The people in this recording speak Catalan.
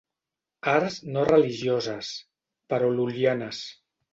Arts no religioses, però lul·lianes.